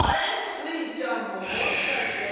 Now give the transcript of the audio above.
スイちゃんももしかして？